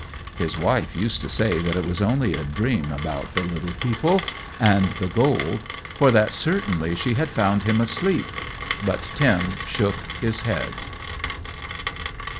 His wife used to say that it was only a dream about the little people and the gold, for that certainly she had found him asleep; but Tim shook his head.